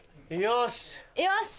よし！